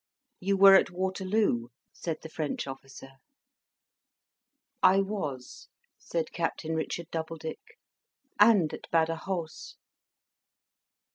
"You were at Waterloo," said the French officer. "I was," said Captain Richard Doubledick. "And at Badajos."